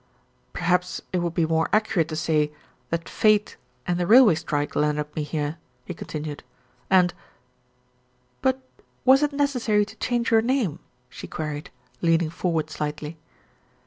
"Perhaps it would be more accurate to say that fate and the railway strike landed me here," he continued, "and" "But was it necessary to change your name?" she queried, leaning forward slightly.